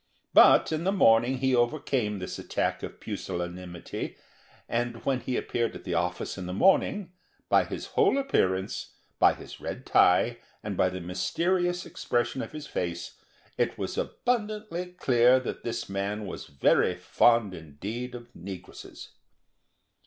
But in the night he overcame this attack of pusillanimity, and when he appeared at the office in the morning, by his whole appearance, by his red tie, and by the mysterious expression of his face, it was abundantly clear that this man was very fond indeed of negresses.